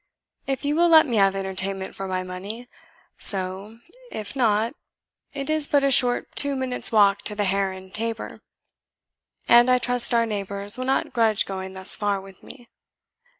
If you will let me have entertainment for my money, so; if not, it is but a short two minutes' walk to the Hare and Tabor, and I trust our neighbours will not grudge going thus far with me."